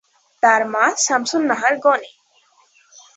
তার মা শামসুন নাহার গনি।